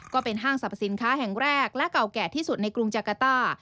ก็เป็นห้างสรรพสินค้าแห่งแรกและเก่าแก่ที่สุดในกรุงจักรต้า